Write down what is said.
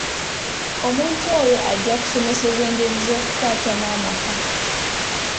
Omuntu oyo ajja kusomesebwa engeri z'okukwatamu amaka.